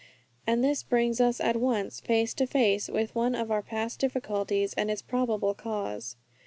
And this brings us at once face to face with one of our past difficulties, and its probable cause.